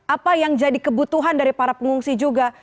apa yang jadi kebutuhan dari para pengungsi juga